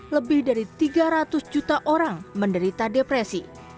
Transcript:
lebih dari tiga ratus juta orang menderita depresi